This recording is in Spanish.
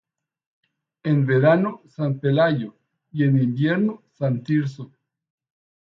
En verano San Pelayo y en invierno San Tirso.